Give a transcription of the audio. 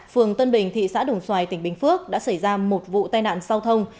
phường tân bình thị xã đồng xoài tỉnh bình phước đã xảy ra một vụ tai nạn giao thông